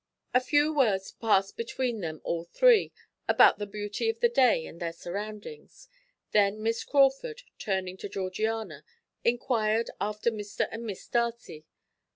A few words passed between them all three about the beauty of the day and their surroundings, then Miss Crawford, turning to Georgiana, inquired after Mr. and Mrs. Darcy.